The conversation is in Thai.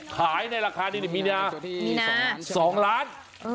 ขายในราคานี้มีนา๒ล้าน